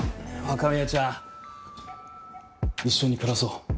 若宮ちゃん一緒に暮らそう。